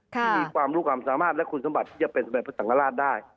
ที่มีความรู้ความสามารถและคุณสมบัติที่จะเป็นสมเด็จพระสังฆราชได้